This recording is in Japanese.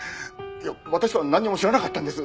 いや私はなんにも知らなかったんです。